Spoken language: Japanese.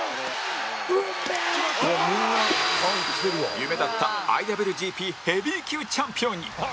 夢だった ＩＷＧＰ ヘビー級チャンピオンに